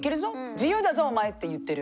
自由だぞお前！って言ってる。